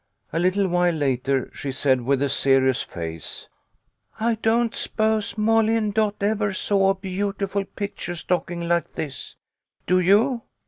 A little while later she said, with a serious face, " I don't s'pose Molly and Dot ever saw a beautiful picture stocking like this. Do you?